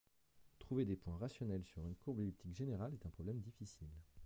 Trouver des points rationnels sur une courbe elliptique générale est un problème difficile.